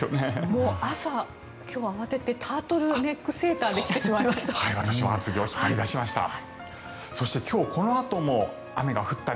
もう朝、今日慌ててタートルネックセーターで来てしまいました。